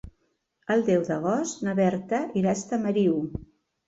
El deu d'agost na Berta irà a Estamariu.